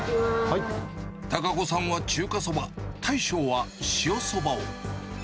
多賀子さんは中華そば、大将は塩そばを。